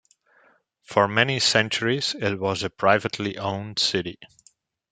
For many centuries it was a privately owned city.